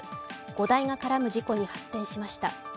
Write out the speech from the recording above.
５台が絡む事故に発展しました。